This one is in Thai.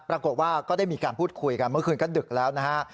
ปรากฏว่าก็ได้มีการพูดคุยกันเมื่อคืนก็ดึกแล้วนะฮะ